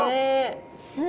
すごい！